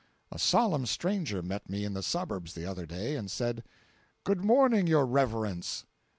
A solemn stranger met me in the suburbs the other day, and said: "Good morning, your reverence.